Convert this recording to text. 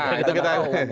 nah itu kita